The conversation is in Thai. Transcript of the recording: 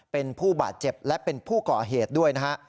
เป็นผู้บาดเจ็บและเป็นผู้ก่อเหตุด้วยนะฮะ